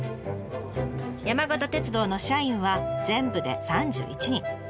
山形鉄道の社員は全部で３１人。